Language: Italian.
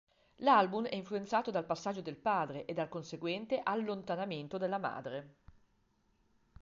L'album è influenzato dal passaggio del padre e dal conseguente allontanamento della madre.